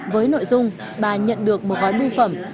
với nội dung bà nhận được một gói bưu phẩm